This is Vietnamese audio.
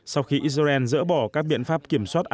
sau khi israel dỡ bỏ các biện pháp kiểm soát